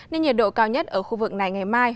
nên nhiệt độ cao nhất ở khu vực này ngày mai